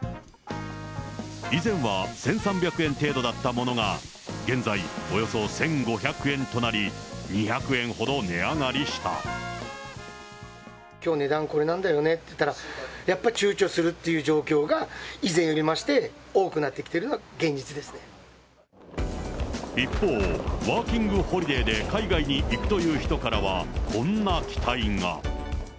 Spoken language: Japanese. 以前は１３００円程度だったものが、現在、およそ１５００円となり、きょう、値段これなんだよねって言ったら、やっぱりちゅうちょするっていう状況が以前よりも増して多くなっ一方、ワーキングホリデーで海外に行くという人からは、こんな期待が。